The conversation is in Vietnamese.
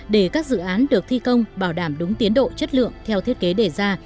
để các dự án được thi công bảo đảm đúng tiến độ chất lượng theo thiết kế đề ra